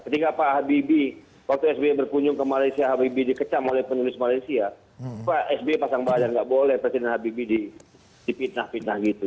ketika pak habibie waktu sbi berkunjung ke malaysia habibie dikecam oleh penulis malaysia pak sby pasang badan nggak boleh presiden habibie dipitnah fitnah gitu